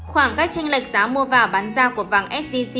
khoảng cách trinh lệch giá mua và bán ra của vàng sgc